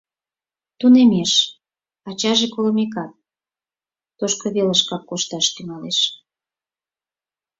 Тунемеш, ачаже колымекат, тошто велышкак кошташ тӱҥалеш.